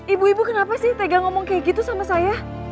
ibu ibu kenapa sih tega ngomong kayak gitu sama saya